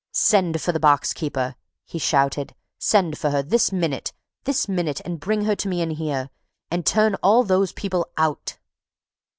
"Send for the box keeper!" he shouted. "Send for her! This minute! This minute! And bring her in to me here! And turn all those people out!"